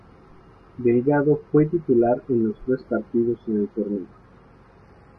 Delgado fue titular en los tres partidos en el torneo.